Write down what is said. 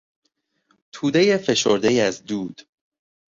تودهی فشردهای از دود